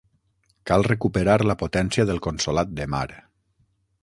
Cal recuperar la potència del Consolat de Mar.